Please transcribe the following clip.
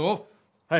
はい！